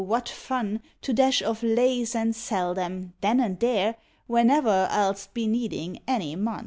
what fun, To dash off lays and sell them, then and there, Whenever I list be needin any " mon."